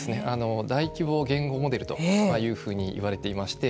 大規模言語モデルというふうに言われていまして。